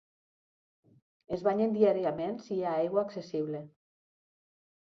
Es banyen diàriament si hi ha aigua accessible.